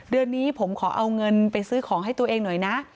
เดือนนี้ผมขอเอาเงินไปซื้อของให้ตัวเองหน่อยนะ